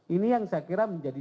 ini yang saya kira menjadi